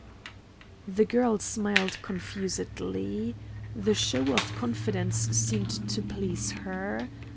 The girl smiled confusedly. The show of confidence seemed to please her.